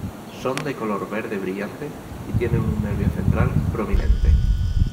Son de color verde brillante y tiene un nervio central prominente.